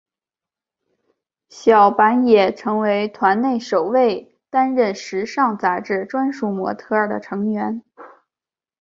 小坂也成为团内首位担任时尚杂志专属模特儿的成员。